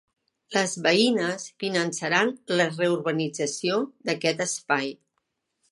Les veïnes finançaran la reurbanització d'aquest espai.